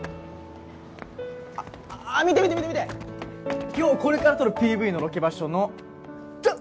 あっ見て見て見て見て今日これから撮るＰＶのロケ場所のじゃん！